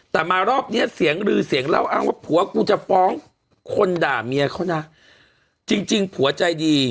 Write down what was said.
แต่มารอบเนี้ยเสียงลือเสียงเล่าอ้างว่าผัวกูจะฟ้องคนด่าเมียเขานะจริงจริงผัวใจดี